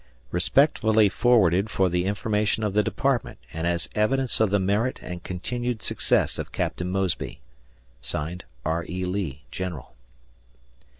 Respectfully forwarded for the information of the department and as evidence of the merit and continued success of Captain Mosby. R. E. Lee, General.